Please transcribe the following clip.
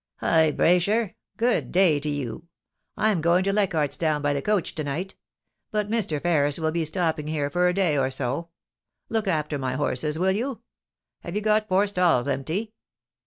* Hi, Braysher ! Good day to you. I am going to Lei chardt^s Town by the coach to night ; but Mr. Ferris will be stopping here for a day or so. Look after my horses, will you ? Have you got four stalls empty